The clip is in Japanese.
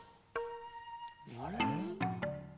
あれ？